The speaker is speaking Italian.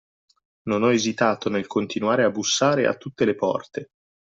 Non ho esitato nel continuare a bussare a tutte le porte